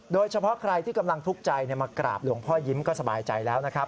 โดยเฉพาะใครที่กำลังทุกข์ใจมากราบหลวงพ่อยิ้มก็สบายใจแล้วนะครับ